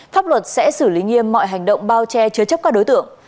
pháp luật sẽ xử lý nghiêm mọi hành động bao che chứa chấp các đối tượng